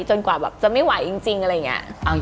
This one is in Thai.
จนกว่าจะไม่ไหวจริง